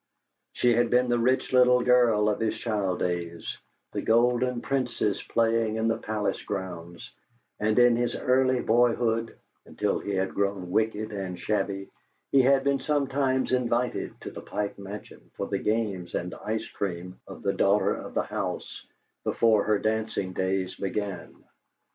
She had been the Rich Little Girl of his child days, the golden princess playing in the Palace Grounds, and in his early boyhood (until he had grown wicked and shabby) he had been sometimes invited to the Pike Mansion for the games and ice cream of the daughter of the house, before her dancing days began.